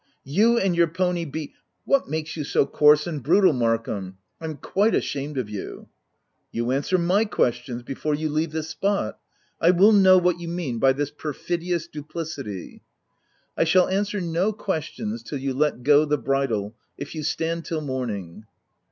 55 " You and your pony be "" What makes you so coarse and brutal, Markham? I'm quite ashamed of you." u You answer my questions — before you leave this spot ! I will know what you mean by this perfidious duplicity?" " I shall answer no questions till you let go the bridle, — if you stand till morning."